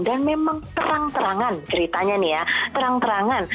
dan memang terang terangan ceritanya nih ya terang terangan